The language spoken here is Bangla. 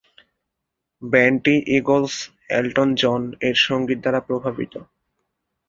ব্যান্ডটি ঈগলস, এলটন জন-এর সংগীত দ্বারা প্রভাবিত।